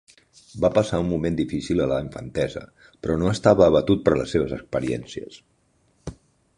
Va passar un moment difícil a la infantesa però no estava abatut per les seves experiències.